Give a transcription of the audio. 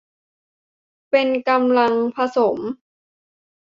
เป็นกำลังผสม